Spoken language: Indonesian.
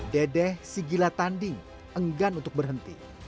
dede si gila tanding enggan untuk berhenti